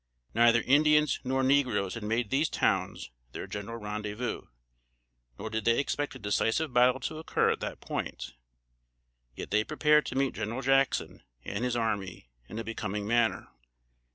Neither Indians nor negroes had made these towns their general rendezvous; nor did they expect a decisive battle to occur at that point; yet they prepared to meet General Jackson, and his army, in a becoming manner.